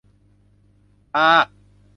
- ฮา